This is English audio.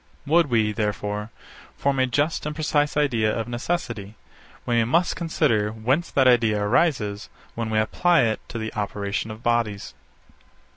Would we, therefore, form a just and precise idea of necessity, we must consider whence that idea arises when we apply it to the operation of bodies.